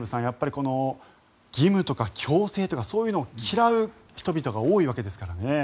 やっぱり義務とか強制とかそういうのを嫌う人々が多いわけですからね。